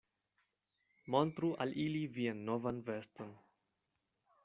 Montru al ili vian novan veston.